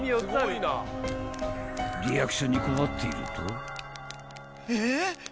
［リアクションに困っていると］え！？